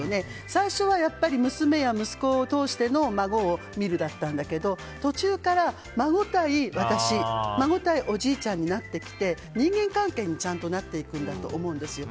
最初はやっぱり娘や息子を通しての孫を見るだったんだけど途中から、孫対私孫対おじいちゃんになってきて人間関係にちゃんとなっていくんだと思うんですよ。